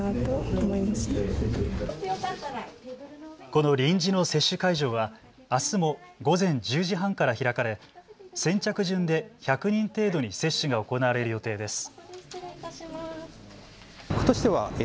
この臨時の接種会場はあすも午前１０時半から開かれ先着順で１００人程度に接種が行われる予定です。